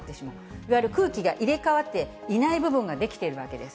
いわゆる空気が入れ代わっていない部分が出来ているわけです。